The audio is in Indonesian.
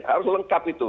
harus lengkap itu